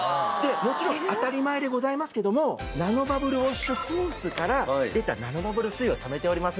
もちろん当たり前でございますけどもナノバブルウォッシュホースから出たナノバブル水をためております。